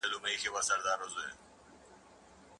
صدقه د زړه روښنايي ده.